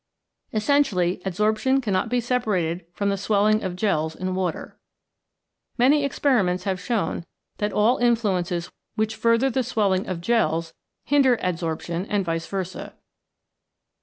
Essentially adsorption cannot be separated from the swelling of gels in water. Many experi ments have shown that all influences which further the swelling of gels hinder adsorption and vice versa.